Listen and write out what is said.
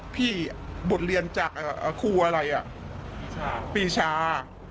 พี่บทเรียนจากครูปีชา